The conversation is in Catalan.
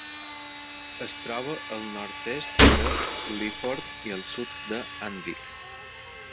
Es troba al nord-est de Sleaford i al sud de Anwick.